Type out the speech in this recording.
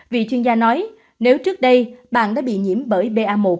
vì chuyên gia nói nếu trước đây bạn đã bị nhiễm bởi ba một